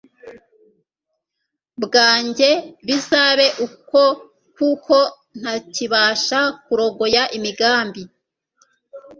bwanjye bizabe uko kuko ntakibasha kurogoya imigambi